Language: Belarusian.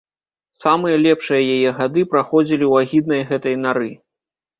Самыя лепшыя яе гады праходзілі ў агіднай гэтай нары.